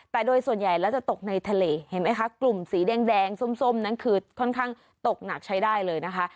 แต่โดยส่วนใหญ่แล้วจะตกในทะเลเห็นไหมคะกลุ่มสีแดงส้มนั้นคือค่อนข้างตกหนักใช้ได้เลยนะคะ